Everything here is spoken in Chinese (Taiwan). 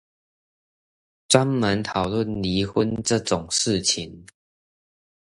專門討論離婚這種事情